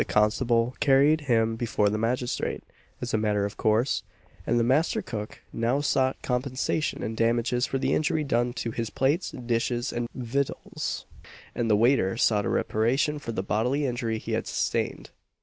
The constable carried him before the magistrate, as a matter of course, and the master cook now sought compensation in damages for the injury done to his plates, dishes, and victuals, and the waiter sought a reparation for the bodily injury he had sustained.